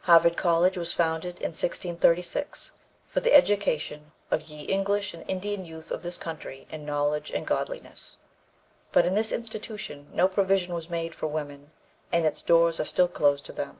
Harvard College was founded in 1636 for the education of "ye English and Indian youth of this country in knowledge and godlyness," but in this institution no provision was made for women and its doors are still closed to them.